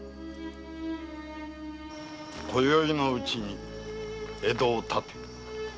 今宵のうちに江戸を発て。